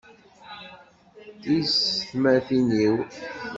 Tiyessetmatin-iw